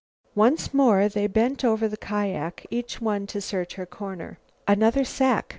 Once more they bent over the kiak, each one to search her corner. "Another sack!"